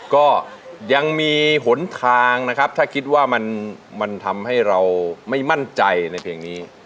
ก็ยังมีหนทางนะครับถ้าคิดว่ามันทำให้เราไม่มั่นใจในเพลงนี้